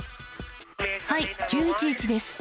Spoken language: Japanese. はい、９１１です。